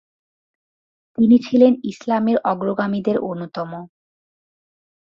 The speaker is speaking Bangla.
তিনি ছিলেন ইসলামের অগ্রগামীদের অন্যতম।